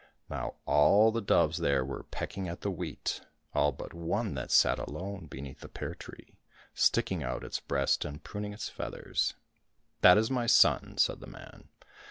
Now all the doves there were pecking at the wheat, all but one that sat alone beneath the pear tree, sticking out its breast and pruning its feathers. '' That is my son," said the man.